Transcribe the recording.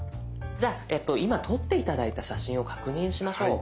じゃあ今撮って頂いた写真を確認しましょう。